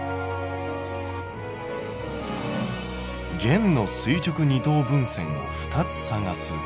「弦の垂直二等分線を２つ探す」。